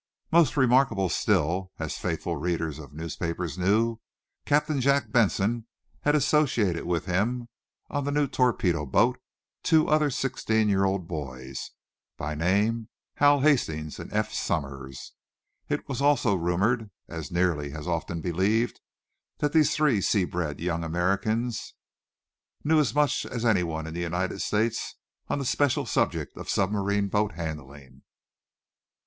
More remarkable still, as faithful readers of newspapers knew, Captain Jack Benson had associated with him, on the new torpedo boat, two other sixteen year old boys, by name Hal Hastings and Eph Somers. It was also rumored, and nearly as often believed, that these three sea bred young Americans knew as much as anyone in the United States on the special subject of submarine boat handling.